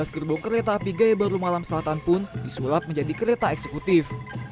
dua belas gerbong kereta api gaya baru malam selatan pun disulap menjadi kereta eksekutif